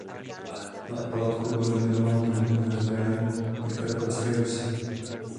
Na oplátku byl jmenován druhým guvernérem Podkarpatské Rusi.